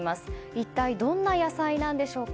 一体どんな野菜なんでしょうか。